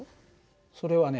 それはね